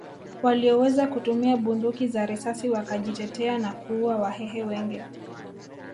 Walioweza kutumia bunduki za risasi wakajitetea na kuua Wahehe wengi